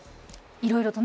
いろいろとね